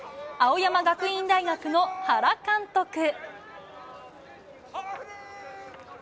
青山学院大学の原監督。